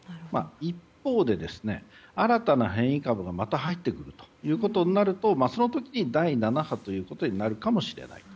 一方で新たな変異株がまた入ってくるとなるとその時、第７波ということになるかもしれない。